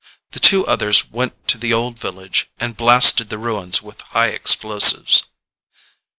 The two others went to the Old Village and blasted the ruins with high explosives.